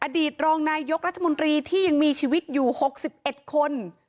อดีตรองนายกรัฐมนตรีที่ยังมีชีวิตอยู่๖๑คน